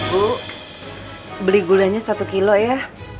bu beli gulanya satu kilo ya